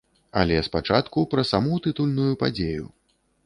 Але спачатку пра саму тытульную падзею.